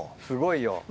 すごいよ。